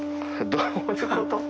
どういうこと？